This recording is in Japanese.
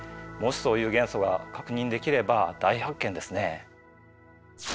もしそういう元素が確認できれば大発見ですね。